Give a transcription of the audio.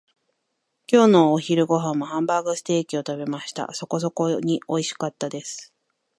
今日のお昼ご飯はハンバーグステーキを食べました。そこそこにおいしかったです。